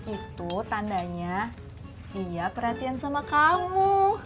itu tandanya iya perhatian sama kamu